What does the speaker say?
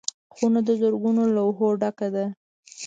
خونه د زرګونو لوحو ډکه ده.